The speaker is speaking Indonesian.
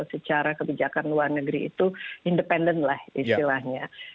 secara kebijakan luar negeri itu independen lah istilahnya